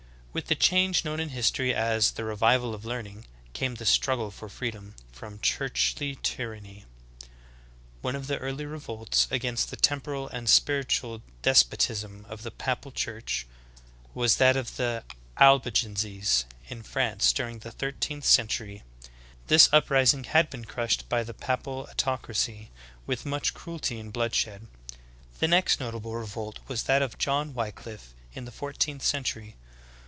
With the change known in history as "the revival of learning" came the struggle for freedom from churchly tyranny. 3. One of the early revolts against the temporal and spiritual despotism of the papal Church was that of the « See Note 1, end of chapter. REVOLTS AGAINST THE CHURCH. 151 Albigenses in France during the thirteenth century. This uprising had been crushed by the papal autocracy with much cruelty and bloodshed. The next notable revolt was that of John Wickliflfe in the fourteenth century.